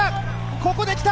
ここで来た！